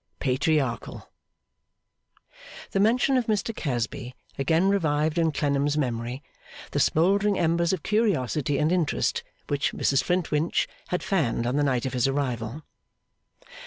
Patriarchal The mention of Mr Casby again revived in Clennam's memory the smouldering embers of curiosity and interest which Mrs Flintwinch had fanned on the night of his arrival.